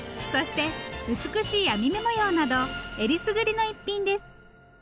そして美しい網目模様などえりすぐりの一品です。